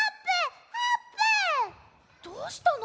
どうしたの？